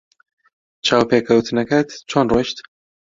چاوپێکەوتنەکەت چۆن ڕۆیشت؟